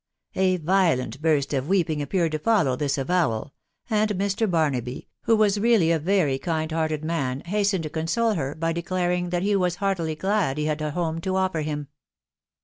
• A violent burst of weeping appeared to follow this avowal ; and Mr. Barnaby, who was really a very kind hearted man, hastened to console her by declaring that he was heartily glad he had a home to offer him.